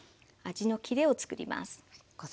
味のキレを作ります。